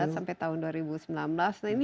sampai tahun dua ribu sembilan belas